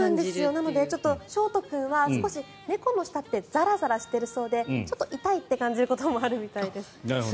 なので勝叶君は猫の舌ってざらざらしているそうでちょっと痛いと感じることもあるそうです。